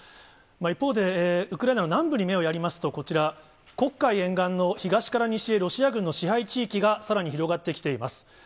一方で、ウクライナの南部に目をやりますと、こちら、黒海沿岸の東から西へロシア軍の支配地域がさらに広がってきています。